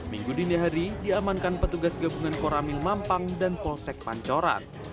minggu dini hari diamankan petugas gabungan koramil mampang dan polsek pancoran